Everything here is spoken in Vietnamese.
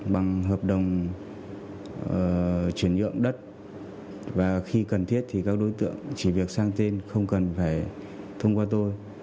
bằng hợp đồng chuyển nhượng đất và khi cần thiết thì các đối tượng chỉ việc sang tên không cần phải thông qua tôi